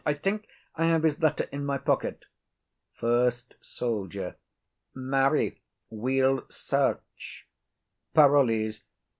I think I have his letter in my pocket. FIRST SOLDIER. Marry, we'll search. PAROLLES.